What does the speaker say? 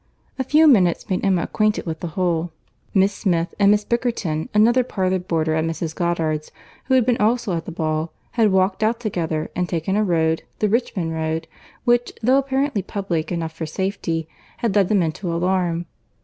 A few minutes made Emma acquainted with the whole. Miss Smith, and Miss Bickerton, another parlour boarder at Mrs. Goddard's, who had been also at the ball, had walked out together, and taken a road, the Richmond road, which, though apparently public enough for safety, had led them into alarm.